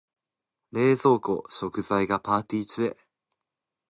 冷蔵庫、食材がパーティ中。